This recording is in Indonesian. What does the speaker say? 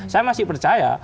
saya masih percaya